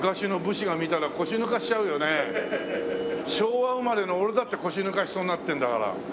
昭和生まれの俺だって腰抜かしそうになってるんだから。